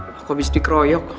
kau bisa dikroyok